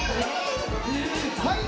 はい！